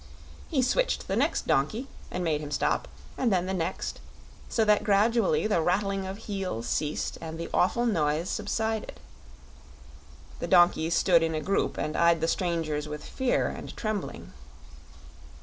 He switched the next donkey, and made him stop, and then the next, so that gradually the rattling of heels ceased and the awful noise subsided. The donkeys stood in a group and eyed the strangers with fear and trembling.